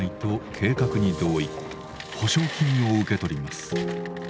補償金を受け取ります。